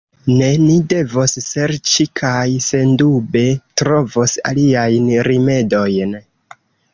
Ne, ni devos serĉi, kaj sendube trovos, aliajn rimedojn.